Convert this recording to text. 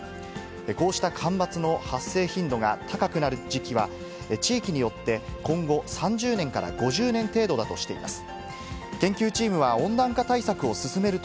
こうした干ばつの発生頻度が高くなる時期は、地域によって今後３０年から５０年程度だとしています。